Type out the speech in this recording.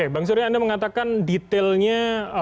bang surya anda mengatakan detailnya